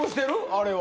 あれは。